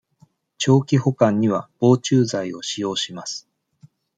長期保管には、防虫剤を使用します。